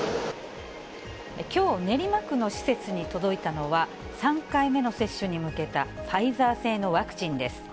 きょう、練馬区の施設に届いたのは、３回目の接種に向けたファイザー製のワクチンです。